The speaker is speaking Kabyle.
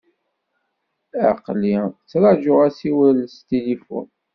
Aql-i ttraǧuɣ asiwel s tilifun.